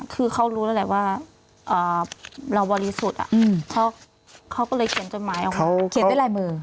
คือเขารู้แล้วแหละว่าเราบริสุทธิ์เขาก็เลยเขียนจดหมายออกมาเขียนด้วยลายมือ